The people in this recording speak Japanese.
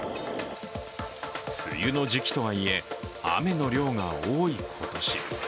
梅雨の時期とはいえ、雨の量が多い今年。